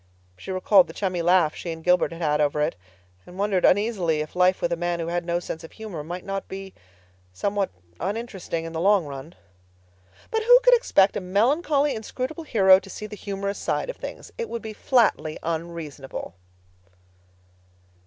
She recalled the chummy laugh she and Gilbert had had together over it, and wondered uneasily if life with a man who had no sense of humor might not be somewhat uninteresting in the long run. But who could expect a melancholy, inscrutable hero to see the humorous side of things? It would be flatly unreasonable.